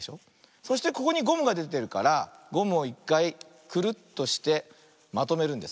そしてここにゴムがでてるからゴムをいっかいクルッとしてまとめるんです。